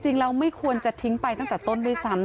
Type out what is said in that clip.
จริงแล้วไม่ควรจะทิ้งไปตั้งแต่ต้นด้วยซ้ำ